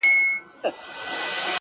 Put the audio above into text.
ژوند یې ښه وو کاروبار یې برابر وو!.